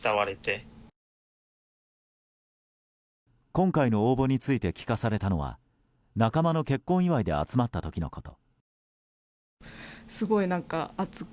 今回の応募について聞かされたのは仲間の結婚祝いで集まった時のこと。